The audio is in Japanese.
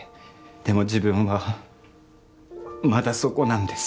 でも自分はまだそこなんです。